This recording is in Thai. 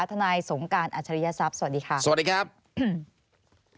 ทนายสงการอัชรียศัพท์สวัสดีค่ะสวัสดีครับสวัสดีครับ